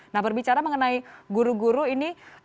nah berbicara mengenai guru guru ini